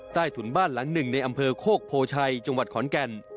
ถุนบ้านหลังหนึ่งในอำเภอโคกโพชัยจังหวัดขอนแก่น